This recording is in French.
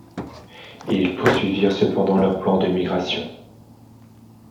Ils poursuivirent cependant leurs plans de migration.